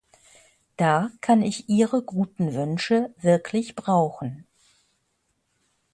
Da kann ich Ihre guten Wünsche wirklich brauchen.